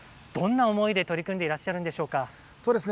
どんな思いで取り組んでいらっしゃるんでしょうか。